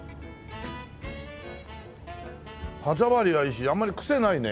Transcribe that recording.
歯触りはいいしあんまりクセないね。